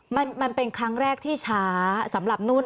มันเป็นครั้งแรกที่ช้าสำหรับนุ่น